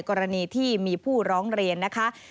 กรณีที่มีผู้ร้องเรียนนะคะ